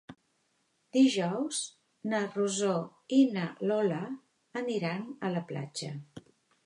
Dijous na Rosó i na Lola aniran a la platja.